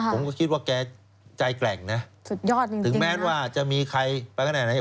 ผมก็คิดว่าแกใจแกร่งนะถึงแม้ว่าจะมีใครไปกระแน่ไหน